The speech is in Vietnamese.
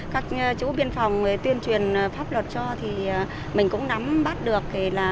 các chú biên phòng tuyên truyền pháp luật cho thì mình cũng nắm bắt được